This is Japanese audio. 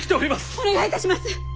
お願いいたします！